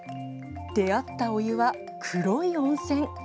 出会ったお湯は、黒い温泉。